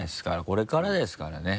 これからですからね